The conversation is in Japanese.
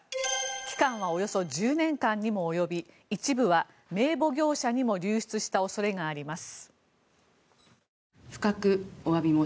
期間はおよそ１０年間にも及び一部は名簿業者にも流出した恐れがあります。